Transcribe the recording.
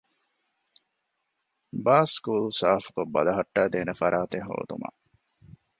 ބާސްކޫލް ސާފްކޮށް ބަލަހައްޓައިދޭނެ ފަރާތެއް ހޯދުމަށް